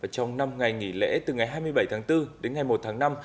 trong năm ngày nghỉ lễ từ ngày hai mươi bảy tháng bốn đến ngày một tháng năm